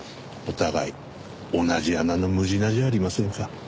お互い同じ穴の狢じゃありませんか。